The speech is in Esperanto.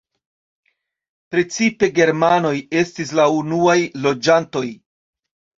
Precipe germanoj estis la unuaj loĝantoj.